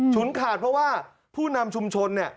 ฉุนขาดเพราะว่าผู้นำชุมชน